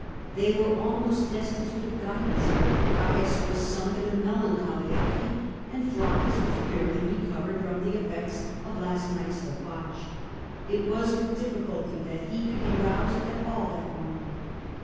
They were almost destitute of guidance, for Oaius was sunk in a melancholy apathy, and Flaccus was barely recovered from the effects of last night's debauch ; it was with difficulty that he could be roused at all that morning.